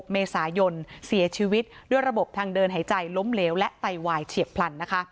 เมษายนเสียชีวิตด้วยระบบทางเดินหายใจล้มเหลวและไตวายเฉียบพลันนะคะ